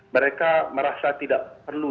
mereka merasa tidak perlu